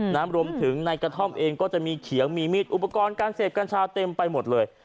รวมถึงในกระท่อมเองก็จะมีเขียงมีมีดอุปกรณ์การเสพกัญชาเต็มไปหมดเลย